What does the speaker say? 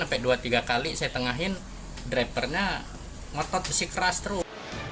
sampai dua tiga kali saya tengahin drivernya ngotot besi keras terus